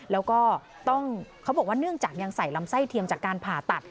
แล้วก็ต้องเขาบอกว่าเนื่องจากยังใส่ลำไส้เทียมจากการผ่าตัด